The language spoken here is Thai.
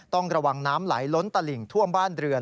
ต้องระวังน้ำไหลล้นตลิ่งท่วมบ้านเรือน